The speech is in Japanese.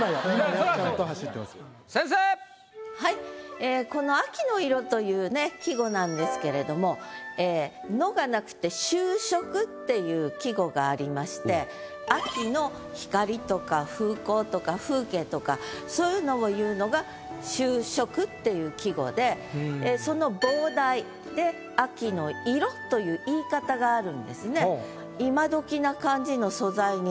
ええこの「秋の色」というね季語なんですけれどもええ「の」がなくてありまして秋の光とか風光とか風景とかそういうのをいうのが「秋色」っていう季語でその傍題で「秋の色」という言い方があるんですね。